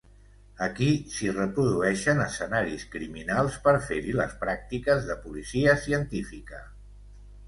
Aquí s'hi reprodueixen escenaris criminals per fer-hi les pràctiques de policia científica.